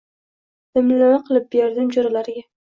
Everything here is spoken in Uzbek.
Dimlama qilib berdim jo‘ralariga